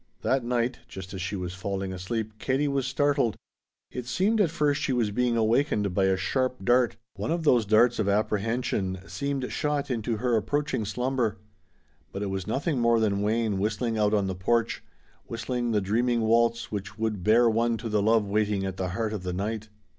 That night just as she was falling asleep Katie was startled. It seemed at first she was being awakened by a sharp dart, one of those darts of apprehension seemed shot into her approaching slumber. But it was nothing more than Wayne whistling out on the porch, whistling the dreaming waltz which would bear one to the love waiting at the heart of the night.